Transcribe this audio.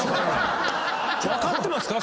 分かってますか？